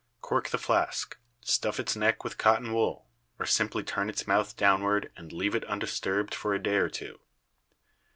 Cork the flask, stuff* its neck with cotton wool, or simply turn its mouth downward and leave it un disturbed for a day or two.